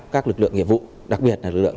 các lực lượng nghiệp vụ đặc biệt là lực lượng